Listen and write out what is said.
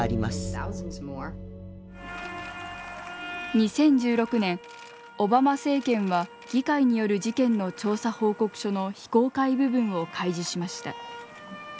２０１６年オバマ政権は議会による事件の調査報告書の非公開部分を開示しました。